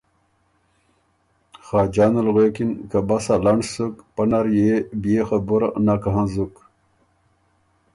خاجان ال غوېکِن که ”بسا لنډ سُک پۀ نر يې بيې خبُره نک هنزُک۔